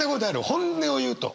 本音を言うと。